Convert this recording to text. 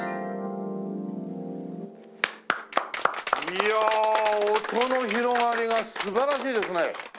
いやあ音の広がりが素晴らしいですね。